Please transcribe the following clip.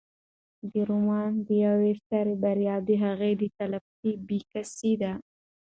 دا رومان د یوې سترې بریا او د هغې د تلپاتې بیې کیسه ده.